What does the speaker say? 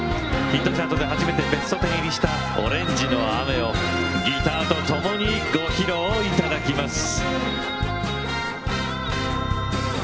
ヒットチャートで初めてベスト１０入りした「オレンジの雨」をギターとともにご披露いただきます。